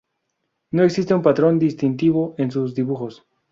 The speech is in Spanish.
No existe un patrón distintivo en sus dibujos.